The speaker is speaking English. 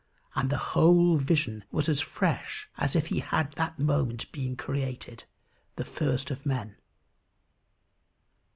And the whole vision was as fresh as if he had that moment been created, the first of men.